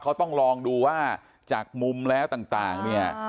เค้าต้องลองดูจากมุมแล้วต่าง